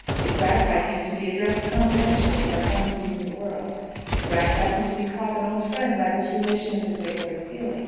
It gratified him to be addressed confidentially as one who knew the world; it gratified him to be called an old friend by this relation of the great Lord Seely.